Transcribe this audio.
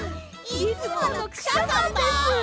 いつものクシャさんです！